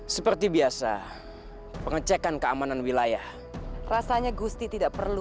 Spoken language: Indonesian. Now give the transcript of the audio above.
seperti biasa pengecekan keamanan wilayah rasanya gusti tidak perlu